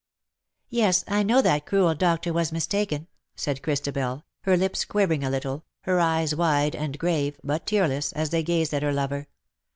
" Yes, I know that cruel doctor was mistaken V said Christabel, her lips quivering a little, her eyes wide and grave, but tearless, as they gazed at her lover.